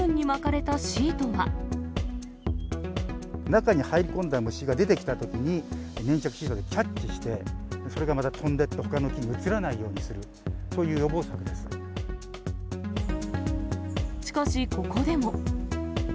中に入り込んだ虫が出てきたときに、粘着シートでキャッチして、それがまた飛んでってほかの木に移らないようにする、そういう予しかし、ここでも。